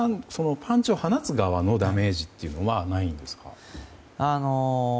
パンチを放つ側のダメージはないんですか？